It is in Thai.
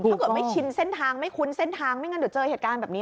ถ้าเกิดไม่ชินเส้นทางไม่คุ้นเส้นทางไม่งั้นเดี๋ยวเจอเหตุการณ์แบบนี้